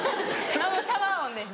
シャワー音です。